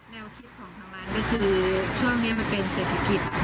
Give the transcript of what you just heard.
แนวคิดของทางมันก็คือช่วงนี้มันเป็นเศรษฐกิจ